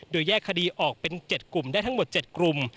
โดยแยกคดีออกเป็น๗กลุ่มได้ทั้งหมด๗กลุ่ม